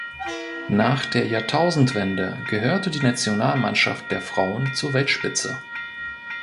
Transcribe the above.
Nach der Jahrtausendwende gehörte die Nationalmannschaft der Frauen zur Weltspitze.